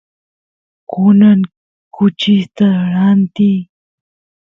kunan kuchista rantiy